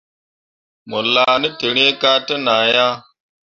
Mo laa ne tǝrîi ka te ŋaa ah.